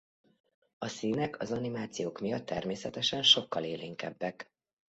A színek az animációk miatt természetesen sokkal élénkebbek.